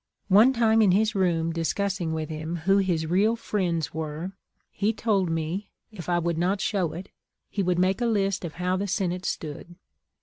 One time in his room discussing with him who his real friends were, he told me, if I would not show it, he would make a list of how the Senate stood.